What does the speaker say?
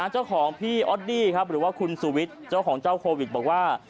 เจ้าของพี่ออดี้ครับหรือว่าคุณสุวิทย์เจ้าของเจ้าโควิดบอกว่า